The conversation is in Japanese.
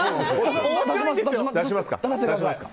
出します。